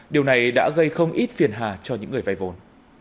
điều này đã gây không ít phiền hà cho những người vay vốn